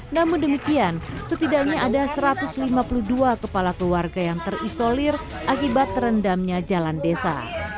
namun demikian setidaknya ada satu ratus lima puluh dua kepala keluarga yang terisolir akibat terendamnya jalan desa